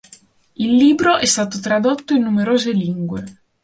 Il libro è stato tradotto in numerose lingue.